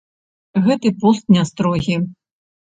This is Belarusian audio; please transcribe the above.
Гэты пост не строгі.